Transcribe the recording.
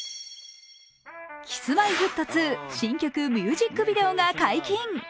Ｋｉｓ−Ｍｙ−Ｆｔ２新曲ミュージックビデオが解禁。